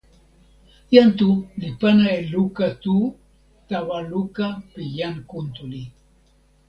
jan Tu li pana e luka tu tawa luka pi jan Kuntuli.